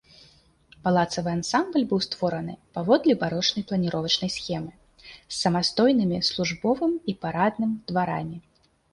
Палацавы ансамбль быў створаны паводле барочнай планіровачнай схемы, з самастойнымі службовым і парадным дварамі.